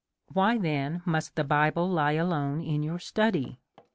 Why, then, must the Bible lie alone in your study?